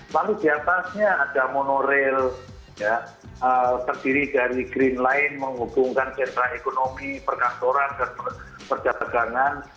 lalu di atasnya ada monorail terdiri dari green line menghubungkan centra ekonomi pergantoran dan perjalanan